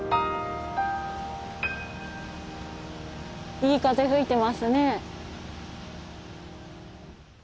いい風吹いてますね。